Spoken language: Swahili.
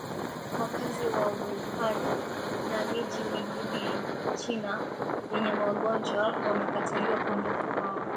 Wakazi wa Wuhan na miji mingine ya China yenye wagonjwa wamekataliwa kuondoka kwao